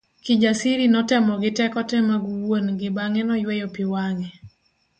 Kijasiri notemo gi teko te mag wuon gi bang'e noyueyo pi wang'e.